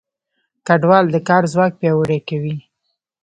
کډوال د کار ځواک پیاوړی کوي.